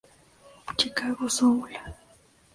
Chicago Soul.